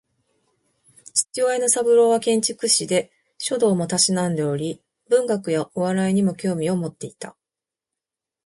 父親の三郎は建築士で、書道も嗜んでおり文学やお笑いにも興味を持っていた